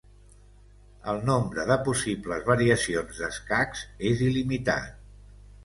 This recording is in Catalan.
El nombre de possibles variacions d'escacs és il·limitat.